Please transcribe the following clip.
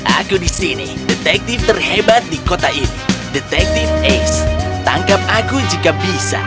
aku di sini detektif terhebat di kota ini detektif ace tangkap aku jika bisa